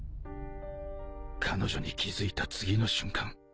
彼女に気付いた次の瞬間